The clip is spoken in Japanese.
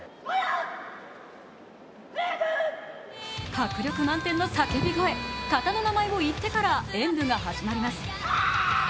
迫力満点の叫び声、形の名前を言ってから演武が始まります。